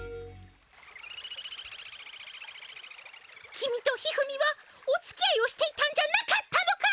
君と一二三はおつきあいをしていたんじゃなかったのかい？